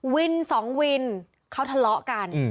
วินสองวินเขาทะเลาะกัน